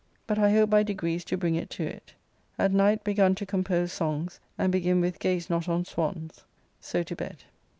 But I hope by degrees to bring it to it. At night begun to compose songs, and begin with "Gaze not on Swans." So to bed.